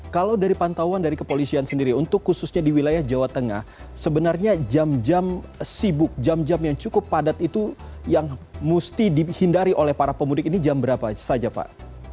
kalau dari pantauan dari kepolisian sendiri untuk khususnya di wilayah jawa tengah sebenarnya jam jam sibuk jam jam yang cukup padat itu yang mesti dihindari oleh para pemudik ini jam berapa saja pak